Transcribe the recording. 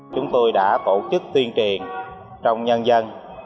chúng tôi đã tổ chức tuyên truyền trong nhân dân